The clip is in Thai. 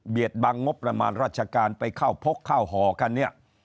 บังงบประมาณราชการไปเข้าพกเข้าห่อกันเนี่ย